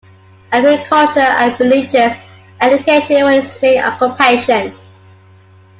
Agriculture and religious education were his main occupations.